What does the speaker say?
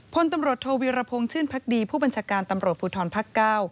พลตำรวจโทวีรพงศ์ชื่นพักดีผู้บัญชาการตำรวจภูทรภักดิ์๙